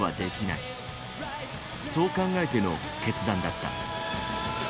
そう考えての決断だった。